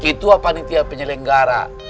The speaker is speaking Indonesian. ketua panditia penyelenggara